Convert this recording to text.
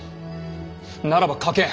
ならば書けん。